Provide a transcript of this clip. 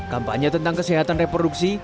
kampanye tentang kesehatan reproduksi